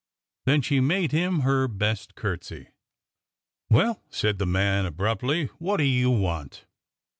Then she made him her best curtsey. '' Well,'' said the man, abruptly, '' what do you want?